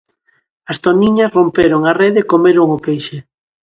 As toniñas romperon a rede e comeron o peixe.